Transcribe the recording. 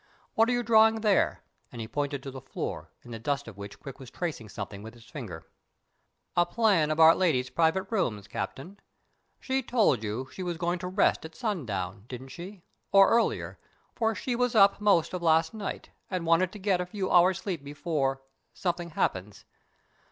What are you drawing there?" and he pointed to the floor, in the dust of which Quick was tracing something with his finger. "A plan of our Lady's private rooms, Captain. She told you she was going to rest at sundown, didn't she, or earlier, for she was up most of last night, and wanted to get a few hours' sleep before—something happens.